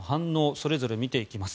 それぞれ見ていきます。